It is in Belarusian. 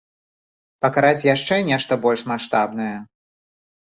Пакараць яшчэ нешта больш маштабнае?